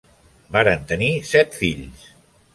Varen tenir set fills.